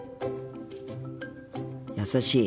優しい。